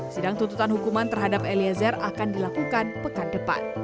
sidang tuntutan hukuman terhadap eliezer akan dilakukan pekan depan